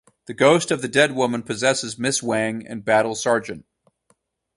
The ghost of the dead woman possesses Miss Wang and battles Sgt.